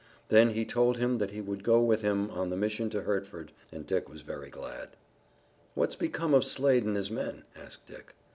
Then he told him that he would go with him on the mission to Hertford, and Dick was very glad. "What's become of Slade and his men?" asked Dick.